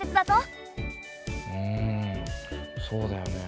うんそうだよね。